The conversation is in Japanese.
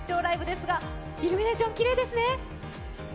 ですがイルミネーションがきれいですね。